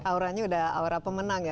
auranya udah aura pemenang ya